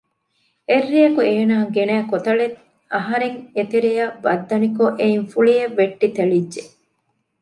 އެއްރެއަކު އޭނާ ގެނައި ކޮތަޅެއް އަހަރެން އެތެރެއަށް ވައްދަނިކޮށް އެއިން ފުޅިއެއް ވެއްޓި ތެޅިއްޖެ